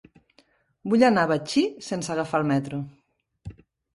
Vull anar a Betxí sense agafar el metro.